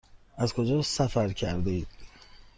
از کجا سفر کرده اید؟